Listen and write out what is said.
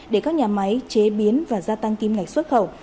để các nhà máy chế biến và gia tăng kim ngạch xuất khẩu